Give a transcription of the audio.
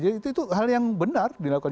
jadi itu hal yang benar dilakukan